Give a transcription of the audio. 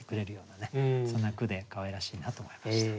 そんな句でかわいらしいなと思いました。